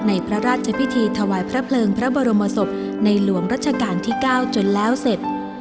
พระราชพิธีถวายพระเพลิงพระบรมศพในหลวงรัชกาลที่๙จนแล้วเสร็จ